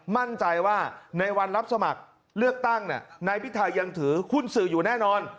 มั่นใจว่าในวันรับสมัครเลือกตั้งนายพิทายังถือหุ้นสื่ออยู่แน่นอน